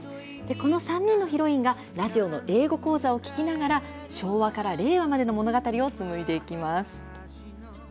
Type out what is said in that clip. この３人のヒロインがラジオの英語講座を聴きながら、昭和から令和までの物語を紡いでいきます。